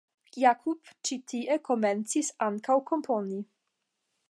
Jakub ĉi tie komencis ankaŭ komponi.